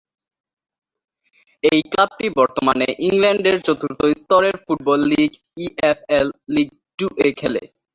এই ক্লাবটি বর্তমানে ইংল্যান্ডের চতুর্থ স্তরের ফুটবল লীগ ইএফএল লীগ টু-এ খেলে।